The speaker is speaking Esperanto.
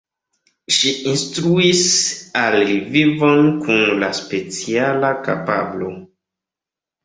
Ŝi instruis al li vivon kun la speciala kapablo.